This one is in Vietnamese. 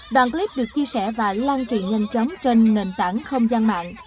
đoàn clip được chia sẻ và lan trị nhanh chóng trên nền tảng không gian mạng